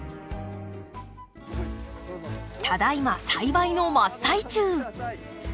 ただいま栽培の真っ最中。